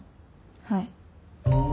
はい。